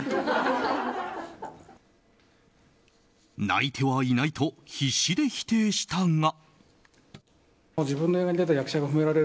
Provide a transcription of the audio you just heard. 泣いてはいないと必死で否定したが。